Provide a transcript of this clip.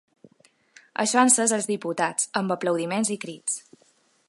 Això ha encès els diputats, amb aplaudiments i crits.